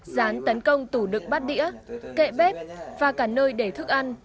rán tấn công tủ đựng bát đĩa kệ bếp và cả nơi để thức ăn